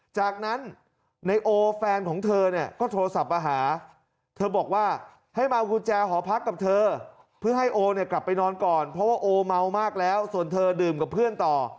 จากนั้นในโอแฟนของเธอเนี่ยก็โทรศัพท์มาหาเธอบอกว่าให้มาเอากุญแจหอพักกับเธอเพื่อให้โอเนี่ยกลับไปนอนก่อนเพราะว่าโอเมามากแล้วส่วนเธอดื่มกับเพื่อนต่อ